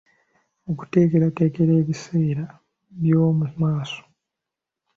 Okuteekerateekera ebiseera eby’omu maaso.